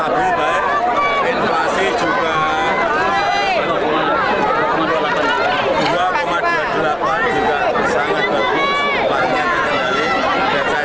jokowi mencari jalan ke jokowi